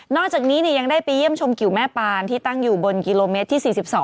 อกจากนี้ยังได้ไปเยี่ยมชมกิวแม่ปานที่ตั้งอยู่บนกิโลเมตรที่๔๒